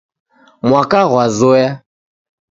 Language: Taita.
Mwaka ghw'azoya.